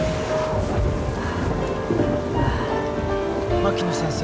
槙野先生。